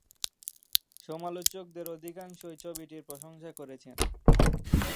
সমালোচকদের অধিকাংশই ছবিটির প্রশংসা করেছেন।